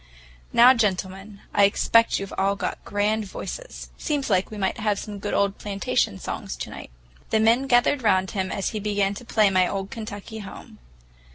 Now, gentlemen, I expect you've all got grand voices. Seems like we might have some good old plantation songs to night." The men gathered round him, as he began to play "My Old Kentucky Home."